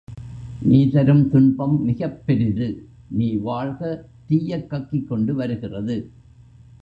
நீ தரும் துன்பம் மிகப் பெரிது நீ வாழ்க தீயைக் கக்கிக்கொண்டு வருகிறது.